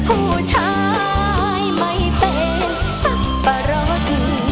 ผู้ชายไม่เป็นสับปะรด